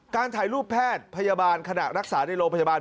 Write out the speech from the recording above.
ถ่ายรูปแพทย์พยาบาลขณะรักษาในโรงพยาบาล